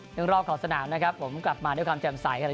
นังรอบเขาสนามนะครับผมกลับมาด้วยความแจ่มใส